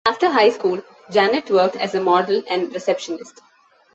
After high school, Janet worked as a model and receptionist.